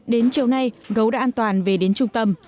đến chiều nay gấu đã an toàn về đến trung tâm